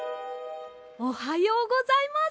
おはようございます。